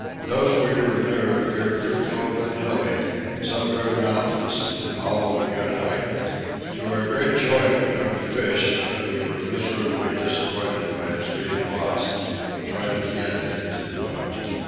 Those we were near appeared fruitful and hilly, some very mountainous and all of a good height. To our great joy we hooked a fish, but we were miserably disappointed by its being lost in trying to get it into the boat.